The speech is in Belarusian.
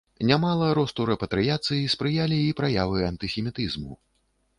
Нямала росту рэпатрыяцыі спрыялі і праявы антысемітызму.